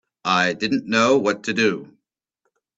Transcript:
I didn't know what to do.